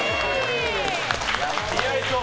似合いそう。